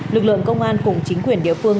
lực lượng công an cùng chính quyền địa phương